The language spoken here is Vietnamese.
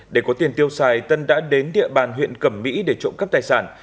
để có tiền tiêu xài tân đã đến địa bàn huyện cẩm mỹ để trộm cắp tài sản